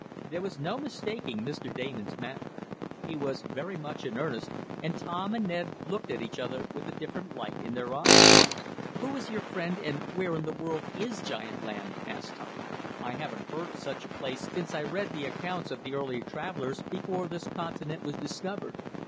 There was no mistaking Mr. Damon's manner. He was very much in earnest, and Tom and Ned looked at each other with a different light in their eyes. "Who is your friend, and where in the world is giant land?" asked Tom. "I haven't heard of such a place since I read the accounts of the early travelers, before this continent was discovered.